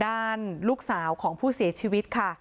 ด้านลูกสาวของผู้เสียชีวิตค่ะ